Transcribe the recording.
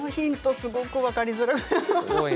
すごく分かりづらい。